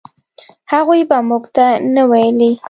هغوی به موږ ته نه ویلې.